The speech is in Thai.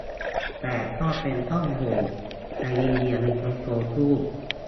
แต่ก็เป็นช่องโหว่ - ในอินเดียมีคนโกงตู้